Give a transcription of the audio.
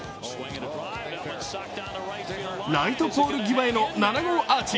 ライトポール際への７号アーチ。